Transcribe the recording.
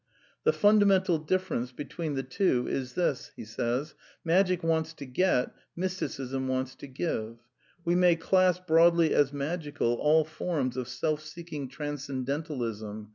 " The fundamental difference between the two is this : magic ^^'' wants to get, mysticism wants to ^ve —.•• We may class broadly as magical all forms of self seeking transcendentalism.